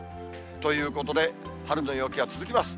ということで、春の陽気は続きます。